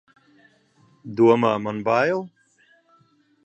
Domā, man bail!